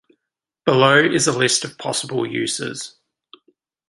Below is a list of possible uses.